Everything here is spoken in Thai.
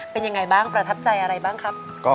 เป็นยังไงบ้างประทับใจอะไรบ้างครับ